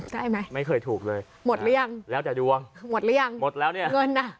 ได้ไหมครับหมดรึยังหมดรึยังหมดแล้วเนี่ยเงินนะ